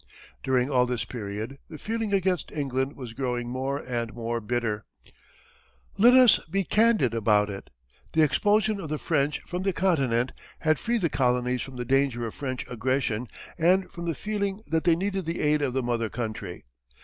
During all this period, the feeling against England was growing more and more bitter. Let us be candid about it. The expulsion of the French from the continent had freed the colonies from the danger of French aggression and from the feeling that they needed the aid of the mother country.